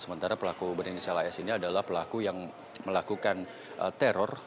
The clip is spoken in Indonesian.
sementara pelaku berinisial as ini adalah pelaku yang melakukan teror